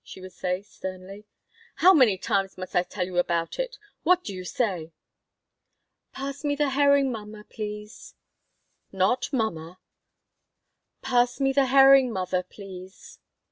she would say, sternly. "How many times must I tell you about it? What do you say?" "Pass me the herring, mamma, please." "Not 'mamma.'" "Pass me the herring, mother, please."